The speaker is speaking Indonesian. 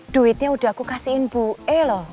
duitnya udah aku kasihin bu eh loh